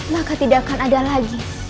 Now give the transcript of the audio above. maka tidak akan ada lagi